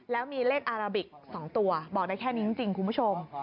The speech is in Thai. แล้วมีเลขอาราบิก๒ตัวบอกได้แค่นี้จริงคุณผู้ชม